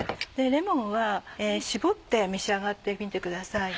レモンは搾って召し上がってみてください。